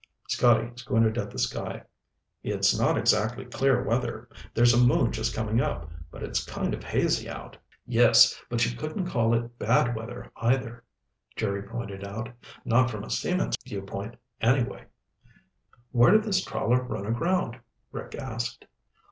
Scotty squinted at the sky. "It's not exactly clear weather. There's a moon just coming up, but it's kind of hazy out." "Yes, but you couldn't call it bad weather, either," Jerry pointed out. "Not from a seaman's viewpoint, anyway." "Where did this trawler run aground?" Rick asked.